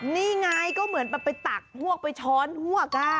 นี่ไงก็เหมือนไปตักฮวกไปช้อนฮวกอ่ะ